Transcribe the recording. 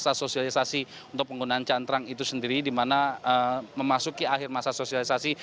masalah sosialisasi untuk penggunaan cantrang itu sendiri dimana memasuki akhir masa sosialisasi